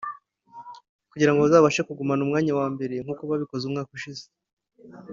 kugira ngo bazabashe kugumana umwanya wa mbere nk’uko babikoze umwaka ushize